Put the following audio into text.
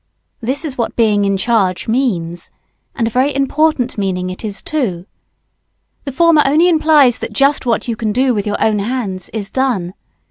This is what being "in charge" means. And a very important meaning it is, too. The former only implies that just what you can do with your own hands is done.